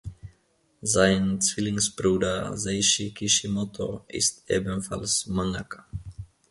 Sein Zwillingsbruder Seishi Kishimoto ist ebenfalls Mangaka.